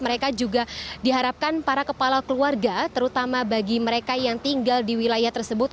mereka juga diharapkan para kepala keluarga terutama bagi mereka yang tinggal di wilayah tersebut